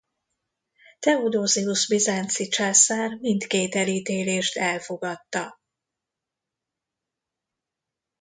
Theodosius bizánci császár mindkét elítélést elfogadta.